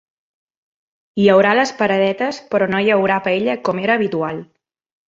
Hi haurà les paradetes, però no hi haurà paella com era habitual.